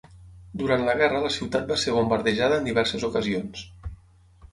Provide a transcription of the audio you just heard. Durant la guerra la ciutat va ser bombardejada en diverses ocasions.